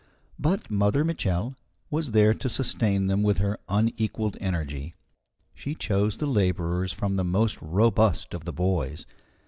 But Mother Mitchel was there to sustain them with her unequalled energy. She chose the labourers from the most robust of the boys.